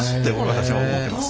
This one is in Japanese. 私は思ってます。